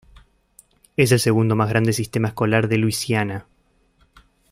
Es el segundo más grande sistema escolar de Luisiana.